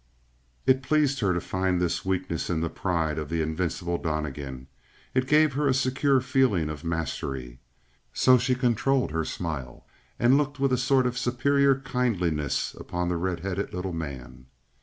It pleased her to find this weakness in the pride of the invincible Donnegan. It gave her a secure feeling of mastery. So she controlled her smile and looked with a sort of superior kindliness upon the red headed little man.